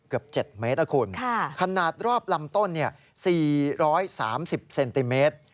เกือบ๗เมตรนะคุณขนาดรอบลำต้น๔๓๐เซนติเมตร